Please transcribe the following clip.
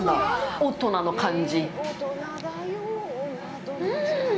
大人の感じ！